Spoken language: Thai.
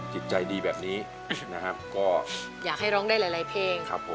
จิตใจดีแบบนี้นะครับก็อยากให้ร้องได้หลายหลายเพลงครับผม